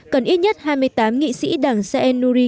cần ít nhất hai mươi tám nghị sĩ đảng sae nuri